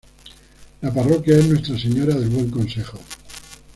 La parroquia es Nuestra Señora del Buen Consejo.